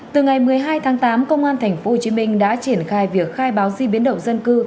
từ ngày một mươi hai tháng tám công an thành phố hồ chí minh đã triển khai việc khai báo di biến động dân cư